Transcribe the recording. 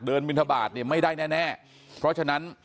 บินทบาทเนี่ยไม่ได้แน่เพราะฉะนั้น